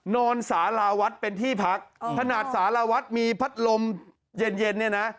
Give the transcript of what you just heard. นอนสาราวัดเป็นที่พักขนาดสารวัฒน์มีพัดลมเย็นเย็นเนี่ยนะ